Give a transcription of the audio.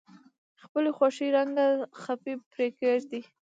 خپلې خوښې رنګه خپې پرې کیږدئ.